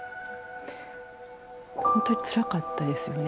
ほんとにつらかったですよね